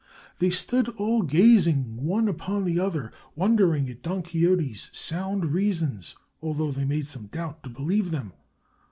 "They stood all gazing one upon another, wondering at Don Quixote's sound reasons, although they made some doubt to believe them.